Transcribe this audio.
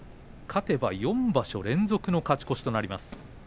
勝てば４場所連続の勝ち越しになります。